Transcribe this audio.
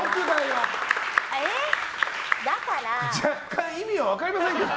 若干、意味は分かりませんけど。